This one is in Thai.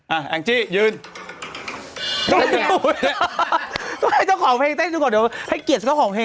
อ่ะแองจิยืนเดี๋ยวให้เจ้าของเพลงเต้นดูก่อนเดี๋ยวให้เกียรติเจ้าของเพลง